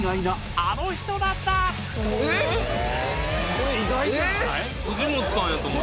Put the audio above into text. これ意外じゃない？